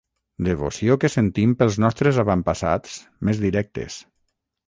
Devoció que sentim pels nostres avantpassats més directes.